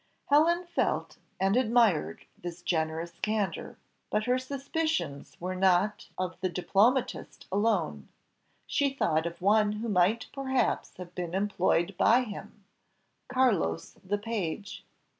Helen felt and admired this generous candour, but her suspicions were not of the diplomatist alone: she thought of one who might perhaps have been employed by him Carlos the page.